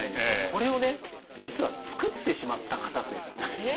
これをね実は作ってしまった方というのが。